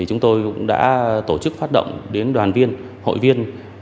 chúng tôi cũng đã tổ chức phát động đến đoàn viên hội viên